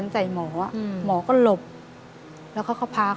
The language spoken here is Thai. อเรนนี่นี่คือเหตุการณ์เริ่มต้นหลอนช่วงแรกแล้วมีอะไรอีก